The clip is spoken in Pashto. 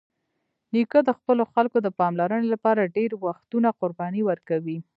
نیکه د خپلو خلکو د پاملرنې لپاره ډېری وختونه قرباني ورکوي.